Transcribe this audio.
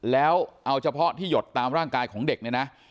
แล้วเอาเฉพาะที่หยดตามร่างกายของเด็กเนี่ยนะ